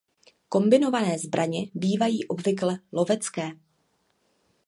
Kombinované zbraně bývají obvykle lovecké.